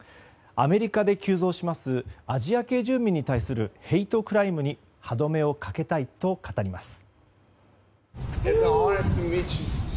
アメリカで急増しますアジア系住民に対するヘイトクライムに歯止めをかけたいと語ります。